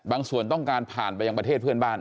ส่วนต้องการผ่านไปยังประเทศเพื่อนบ้าน